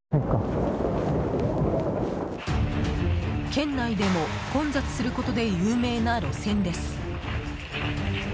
県内でも混雑することで有名な路線です。